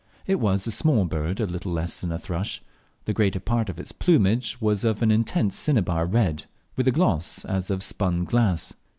It was a small bird a little less than a thrush. The greater part of its plumage was of an intense cinnabar red, with a gloss as of spun glass.